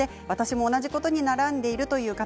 同じことに悩んでいるという方